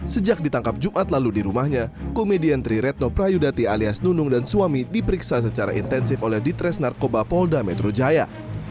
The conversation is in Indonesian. sejak ditangkap jumat lalu di rumahnya komedian tri retno prayudati alias nunung dan suami diperiksa secara intensif oleh ditres narkoba polda metro jaya